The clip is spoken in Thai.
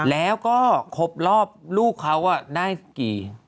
แล้วก็ครบรอบลูกเขาได้กี่